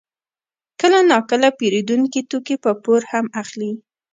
کله ناکله پېرودونکي توکي په پور هم اخلي